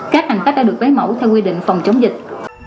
các hành khách đã được bấy mẫu theo quy định phòng chống dịch